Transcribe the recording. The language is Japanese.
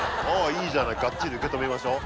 いいじゃないがっちり受け止めましょう。